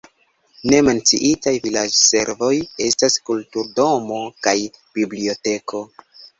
Ne menciitaj vilaĝservoj estas kulturdomo kaj biblioteko.